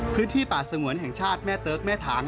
พื้นที่ป่าสงวนแห่งชาติแม่เติ๊กแม่ฐาน